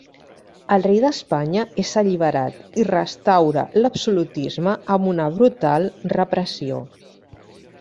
El rei d'Espanya és alliberat i restaura l'absolutisme amb una brutal repressió.